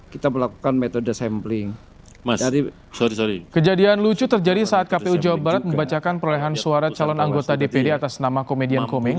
kejadian lucu terjadi saat kpu jawa barat membacakan perolehan suara calon anggota dpd atas nama komedian komeng